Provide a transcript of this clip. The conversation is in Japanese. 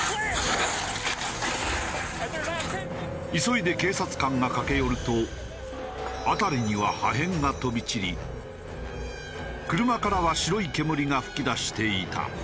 急いで警察官が駆け寄ると辺りには破片が飛び散り車からは白い煙が噴き出していた。